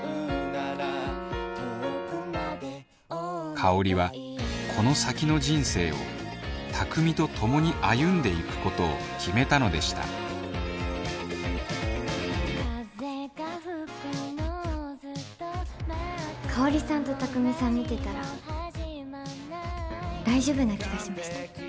香はこの先の人生を卓海と共に歩んでいくことを決めたのでした香さんと卓海さん見てたら大丈夫な気がしました。